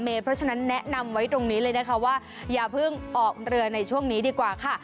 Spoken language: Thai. เพราะฉะนั้นแนะนำไว้ตรงนี้เลยนะคะว่าอย่าเพิ่งออกเรือในช่วงนี้ดีกว่าค่ะ